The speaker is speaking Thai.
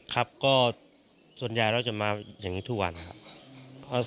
ครับก็ส่วนใหญ่เราจะมาอย่างนี้ทุกวันนะครับ